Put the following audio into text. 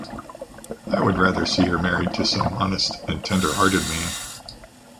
I would rather see her married to some honest and tender-hearted man.